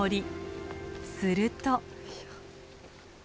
すると。